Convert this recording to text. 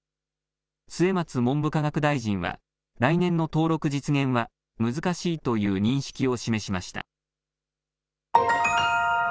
末松文部科学大臣は来年の登録実現は難しいという認識を示しました。